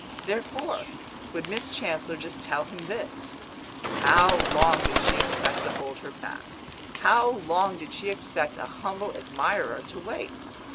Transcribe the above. Therefore, would Miss Chancellor just tell him this: How long did she expect to hold her back; how long did she expect a humble admirer to wait?